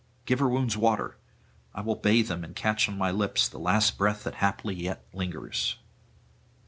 Give her wounds water: I will bathe them and catch on my lips the last breath that haply yet lingers.'